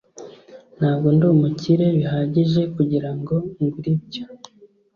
ntabwo ndi umukire bihagije kugirango ngure ibyo